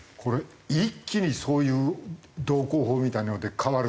一気にそういう道交法みたいなので変わるの？